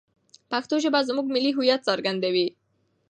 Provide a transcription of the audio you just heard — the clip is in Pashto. پښتو ژبه زموږ ملي هویت څرګندوي.